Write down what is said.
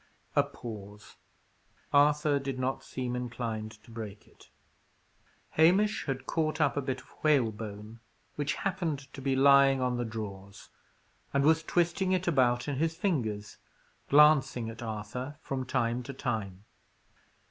A pause. Arthur did not seem inclined to break it. Hamish had caught up a bit of whalebone, which happened to be lying on the drawers, and was twisting it about in his fingers, glancing at Arthur from time to time.